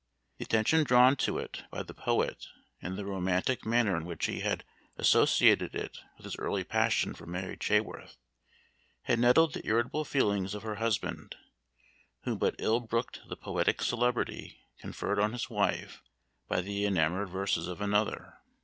The attention drawn to it by the poet, and the romantic manner in which he had associated it with his early passion for Mary Chaworth, had nettled the irritable feelings of her husband, who but ill brooked the poetic celebrity conferred on his wife by the enamored verses of another.